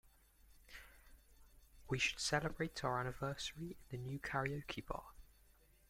We should celebrate our anniversary in the new karaoke bar.